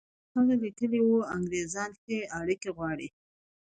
هغه لیکلي وو انګرېزان ښې اړیکې غواړي.